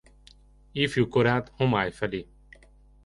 Ifjú korát homály fedi.